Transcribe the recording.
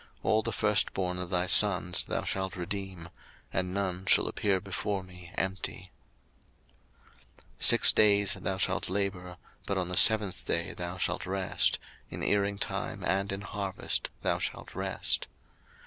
All the firstborn of thy sons thou shalt redeem. And none shall appear before me empty. 02:034:021 Six days thou shalt work, but on the seventh day thou shalt rest: in earing time and in harvest thou shalt rest.